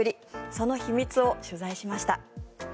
その秘密を取材しました。